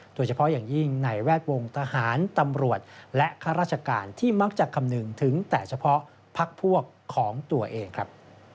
โดยเฉพาะอย่างยิ่งในแวดวงทหารตำรวจและข้าราชการที่มักจะคำนึงถึงแต่เฉพาะพักพวกของตัวเองครับ